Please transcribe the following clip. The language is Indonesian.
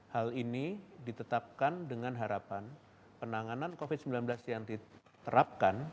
hal ini ditetapkan dengan harapan penanganan covid sembilan belas yang diterapkan